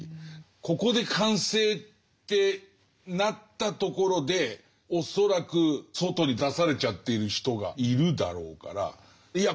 ここで完成ってなったところで恐らく外に出されちゃっている人がいるだろうからいや